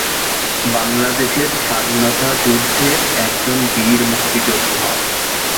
বাংলাদেশের স্বাধীনতা যুদ্ধের একজন বীর মুক্তিযোদ্ধা।